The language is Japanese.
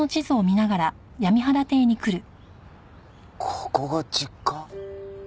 ここが実家？